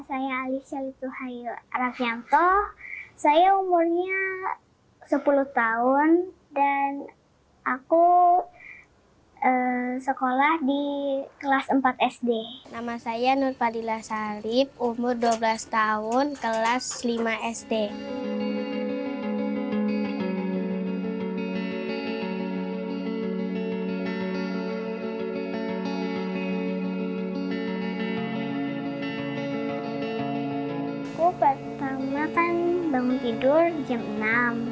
aku pertama bangun tidur jam enam